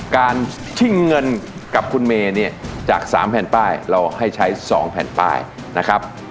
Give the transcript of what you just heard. ชิงเงินกับคุณเมย์เนี่ยจาก๓แผ่นป้ายเราให้ใช้๒แผ่นป้ายนะครับ